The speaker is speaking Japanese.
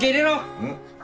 うん。